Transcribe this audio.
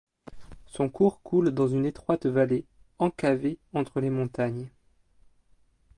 Son cours coule dans une étroite vallée, encavée entre les montagnes.